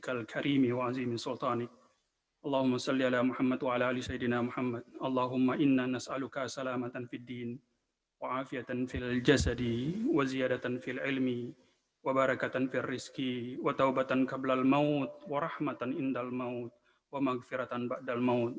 allahumma inna nas'aluka salamatan fi d din wa afiatan fil jasadi wa ziyadatan fil ilmi wa barakatun fil rizki wa taubatan kabla al maut wa rahmatan indal maut wa magfiratan ba'dal maut